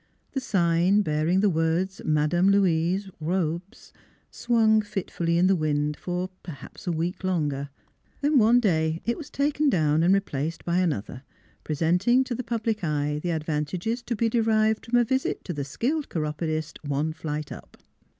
The sign, bearing the words " Madame Louise, Robes " NEIGHBORS 343 swung fitfully in the wind for perhaps a week longer. Then one day it was taken down and replaced by another, presenting to the public eye the advantages to be derived from a visit to the skilled chiropodist, one flight up.